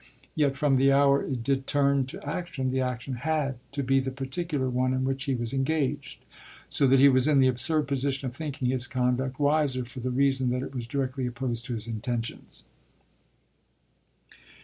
Yet from the hour it did turn to action the action had to be the particular one in which he was engaged; so that he was in the absurd position of thinking his conduct wiser for the reason that it was directly opposed to his intentions.